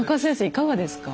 いかがですか。